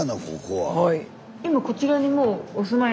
はい。